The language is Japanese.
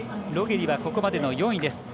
ロゲリ、ここまでの４位。